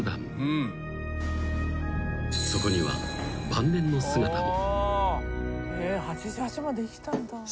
［そこには晩年の姿も］